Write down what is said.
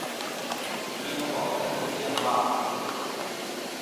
希农堡人口变化图示